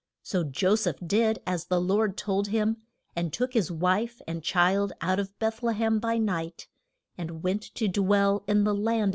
So Jo seph did as the Lord told him, and took his wife and child out of Beth le hem by night, and went to dwell in the Land of E gypt.